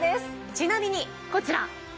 ちなみにこちら！